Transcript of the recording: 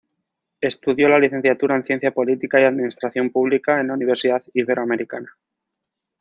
Estudió la Licenciatura en Ciencia Política y Administración Publica en la Universidad Iberoamericana.